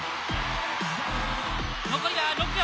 残りが６秒。